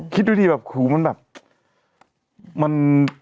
คิดดูดีมันแบบ